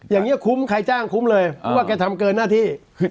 อย่างนี้คุ้มใครจ้างคุ้มเลยเพราะว่าแกทำเกินหน้าที่